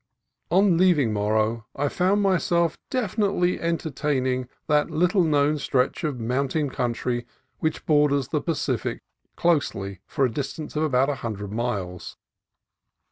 On leaving Morro I found myself definitely enter ing that little known stretch of mountain country which borders the Pacific closely for a distance of about a hundred miles.